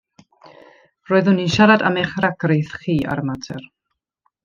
Roeddwn i'n siarad am eich rhagrith chi ar y mater.